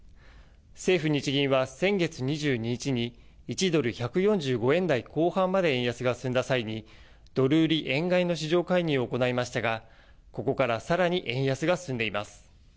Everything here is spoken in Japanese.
政府・日銀は先月２２日に１ドル１４５円台後半まで円安が進んだ際にドル売り円買いの市場介入を行いましたがここからさらに円安が進んでいます。